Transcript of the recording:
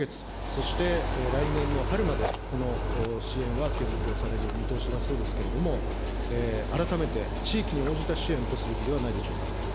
そして来年の春までこの支援は継続をされる見通しだそうですけれども、改めて地域に応じた支援とすべきではないでしょうか。